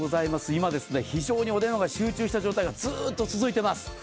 今、非常にお電話が集中した状態がずっと続いています。